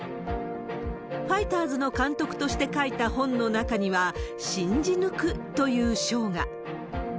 ファイターズの監督として書いた本の中には、信じ抜くという章が。